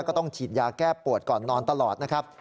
ก็ต้องฉีดยาแก้ปวดก่อนนอนตลอดนะครับ